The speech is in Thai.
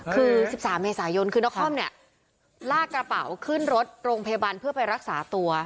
คือ๑๓เมษายนคือนครเนี่ยลากกระเป๋าขึ้นรถโรงพยาบาลเพื่อไปรักษาตัว